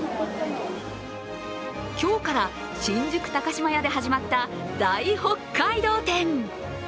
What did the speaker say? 今日から新宿高島屋で始まった大北海道店。